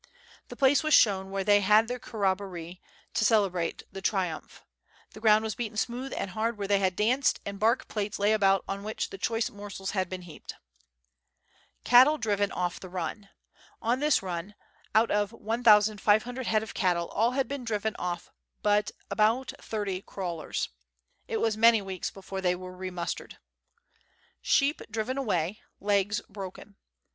The place was shown where they had had their corrobboree, to celebrate the triumph. The ground was beaten smooth and hard where they had danced, and bark plates lay about on which the choice morsels had been heaped. Cattle driven off tJie Run. On this run, out of 1,500 head of cattle, all had been driven off but about 30 " crawlers." It was many weeks before they were re mustered. Sheep driven away; legs broken.